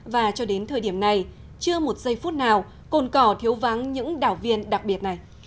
và cho đến thời điểm này chưa một giây phút nào cồn cỏ thiếu vắng những đảng viên đặc biệt này